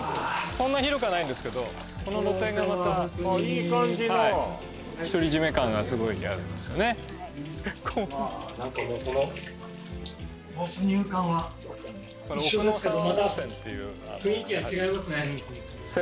そんな広くはないんですけどこの露天がまたあっいい感じの独り占め感がすごいあるんですよねわ何かもうこの没入感は一緒ですけど